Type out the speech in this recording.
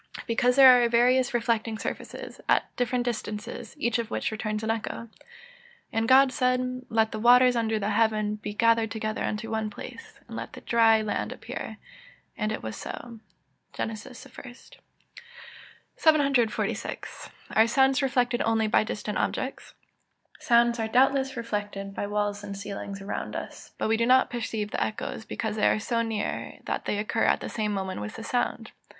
_ Because there are various reflecting surfaces, at different distances, each of which returns an echo. [Verse: "And God said, Let the waters under the heaven be gathered together onto one place, and let the dry land appear: and it was so." GEN. I.] 746. Are sounds reflected only by distant objects? Sounds are doubtless reflected by walls and ceilings around us. But we do not perceive the echoes, because they are so near that they occur at the same moment with the sound.